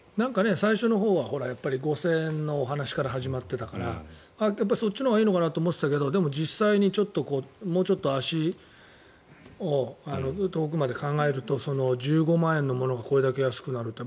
最初のほうは５０００円のお話から始まってたからそっちのほうがいいのかなと思っていたけど実際にもうちょっと足を遠くまで考えると１５万円のものがこれだけ安くなると。